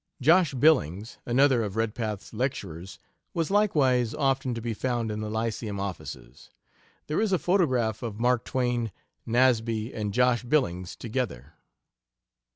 "Josh Billings," another of Redpath's lecturers, was likewise often to be found in the Lyceum offices. There is a photograph of Mark Twain, Nasby, and Josh Billings together.